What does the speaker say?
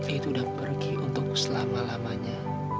itu sudah pergi untuk selama lamanya